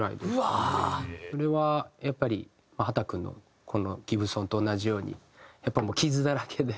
それはやっぱり秦君のこのＧｉｂｓｏｎと同じようにやっぱりもう傷だらけで。